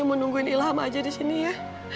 ayo menungguin ilham aja di sini ya